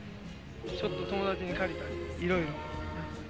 ちょっと友達に借りたりいろいろ。